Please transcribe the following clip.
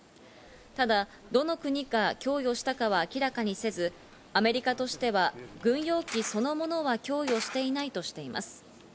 ただどの国が供与したかは明らかにせず、アメリカとしては軍用機そのものは供与していないとしています。